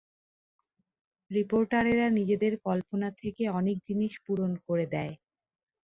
রিপোর্টারেরা নিজেদের কল্পনা থেকে অনেক জিনিষ পূরণ করে দেয়।